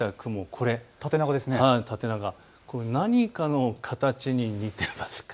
これ、何かの形に似ていませんか。